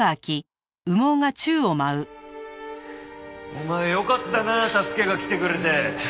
お前よかったなあ助けが来てくれて。